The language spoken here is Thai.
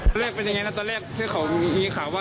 ตอนแรกก็อย่างไรน่ะตอนแรกเขาขอมีข่าวว่า